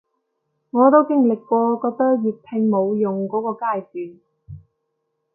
我都經歷過覺得粵拼冇用箇個階段